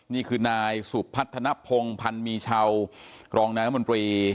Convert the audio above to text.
นี่คือนายสุพัฒนภงพันธ์มีชาวรองนายรัฐมนตรี